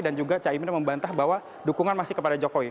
dan juga caimin membantah bahwa dukungan masih kepada jokowi